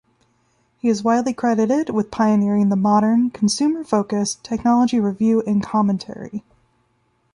He is widely credited with pioneering the modern, consumer-focused, technology review and commentary.